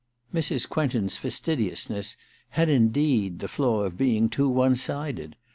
Mrs. Quentin*s fastidiousness had, indeed, the flaw of being too one ^ided.